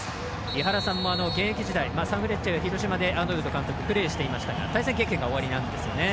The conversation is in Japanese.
井原さんも現役時代サンフレッチェ広島でアーノルド監督プレーしていましたが対戦経験がおありなんですね。